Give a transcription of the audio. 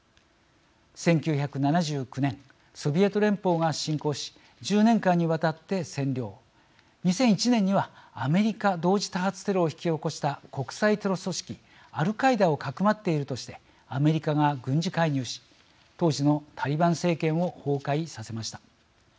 １９７９年ソビエト連邦が侵攻し１０年間にわたって占領２００１年にはアメリカ同時多発テロを引き起こした国際テロ組織アルカイダをかくまっているとしてアメリカが軍事介入し当時のタリバン政権を崩壊させました。